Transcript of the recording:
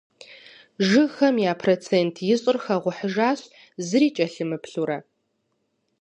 Жыгхэм я процент ищӏыр хэгъухьыжащ зыри кӀэлъымыплъурэ.